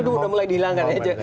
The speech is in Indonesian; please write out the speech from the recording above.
itu udah mulai dihilangkan ya